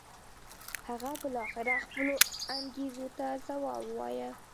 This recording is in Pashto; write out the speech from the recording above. هغه بالاخره خپلو انګېزو ته ځواب و وایه.